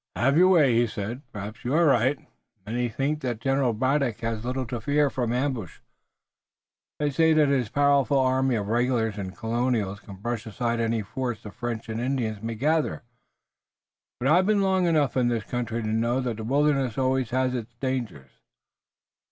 "Have your way," he said. "Perhaps you are right. Many think that General Braddock has little to fear from ambush, they say that his powerful army of regulars and colonials can brush aside any force the French and Indians may gather, but I've been long enough in this country to know that the wilderness always has its dangers.